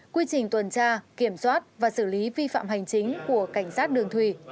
quy trình tuần tra kiểm soát và xử lý vi phạm hành chính của cảnh sát đường thủy